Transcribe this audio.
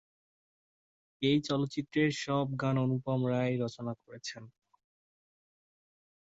এই চলচ্চিত্রের সব গান অনুপম রায় রচনা করেছেন।